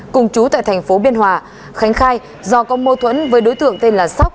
cùng chú tại tp biên hòa khánh khai do có mâu thuẫn với đối tượng tên là sóc